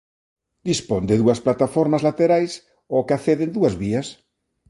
Dispón de dúas plataformas laterais ao que acceden dúas vías.